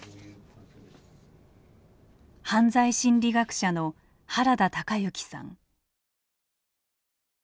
犯罪心理学者の原田隆之さん。